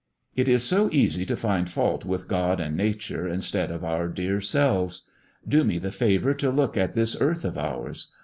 It is so easy to find fault with God and nature instead of our dear selves. Do me the favour to look at this earth of ours!